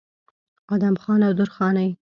ادم خان او درخانۍ